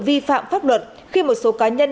vi phạm pháp luật khi một số cá nhân